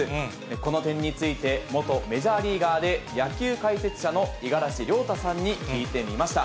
この点について、元メジャーリーガーで、野球解説者の五十嵐亮太さんに聞いてみました。